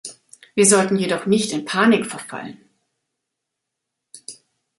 Wir sollten jedoch nicht in Panik verfallen.